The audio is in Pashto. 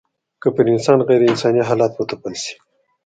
که پر انسان غېر انساني حالات وتپل سي